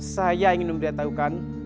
saya ingin memberitahukan